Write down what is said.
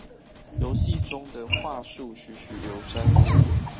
遊戲中的樺樹栩詡如生